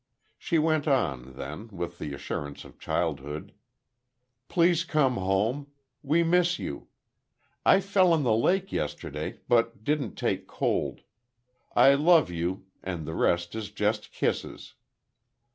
She went on, then, with the assurance of childhood: "Please come home. We miss you. I fell in the lake yesterday, but didn't take cold. I love you.... And the rest is just kisses."